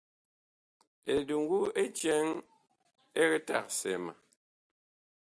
Eduŋgu ɛ cɛŋ ɛg tagsɛɛ ma.